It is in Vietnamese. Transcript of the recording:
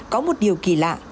có một điều kỳ lạ